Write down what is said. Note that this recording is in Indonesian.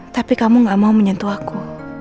tapi kamu gak mau menyentuh aku